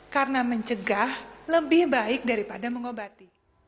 karena mencegah lebih baik daripada mengobati